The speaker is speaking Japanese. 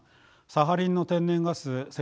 サハリンの天然ガス石油